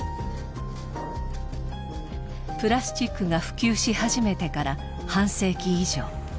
プラスチックが普及し始めてから半世紀以上。